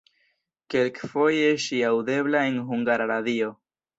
Kelkfoje ŝi aŭdebla en Hungara Radio.